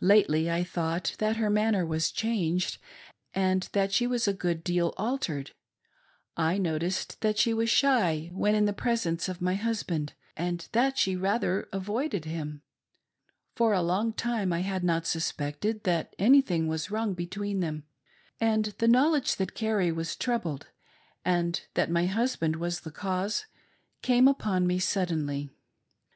Lately I thought that her manner was changed and that she was a good deal altered. I noticed that she was shy when in the presence of my husband, and that she rather avoided him. For a long time I had not sus pected that anything was wrong between them, and the knowl edge that Carrie was troubled, and that my husband was the cause, came upon me suddenly.